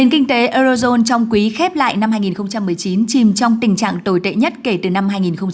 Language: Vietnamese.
nền kinh tế eurozone trong quý khép lại năm hai nghìn một mươi chín chìm trong tình trạng tồi tệ nhất kể từ năm hai nghìn một mươi